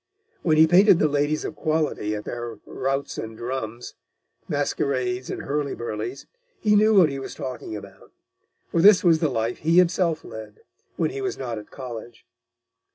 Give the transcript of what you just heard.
When he painted the ladies of quality at their routs and drums, masquerades, and hurly burlies, he knew what he was talking about, for this was the life he himself led, when he was not at college.